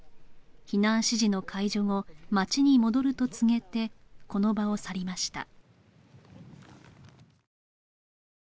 避難指示の解除後町に戻ると告げてこの場を去りました